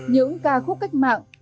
những ca khúc cách mạng